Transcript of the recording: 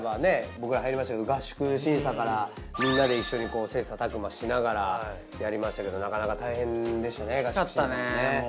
僕ら入りましたけど合宿審査からみんなで一緒にこう切磋琢磨しながらやりましたけどなかなか大変でしたね。